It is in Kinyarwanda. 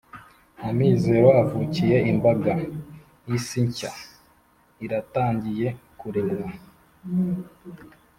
amizero avukiye imbaga, isi nshya iratangiye, kuremwa